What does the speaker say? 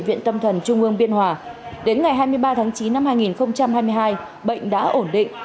hận bị bệnh tâm thần trung ương biên hòa đến ngày hai mươi ba tháng chín năm hai nghìn hai mươi hai bệnh đã ổn định